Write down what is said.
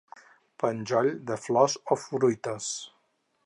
Penjoll de flors o fruites.